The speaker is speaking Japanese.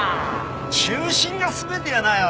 中心が全てやないわ。